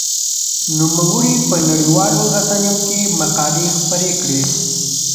نوموړي په نړيوالو رسنيو کې مقالې خپرې کړې.